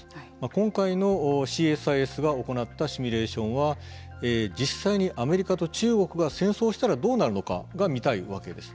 今回のＣＳＩＳが行ったシミュレーションは実際にアメリカと中国が戦争したらどうなるのかが見たいわけです。